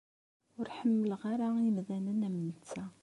Ur ḥemmleɣ ara imdanen am netta.